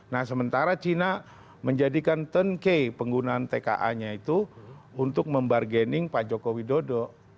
nah sementara cina menjadikan turnkey penggunaan tka nya itu untuk membargaining pak joko widodo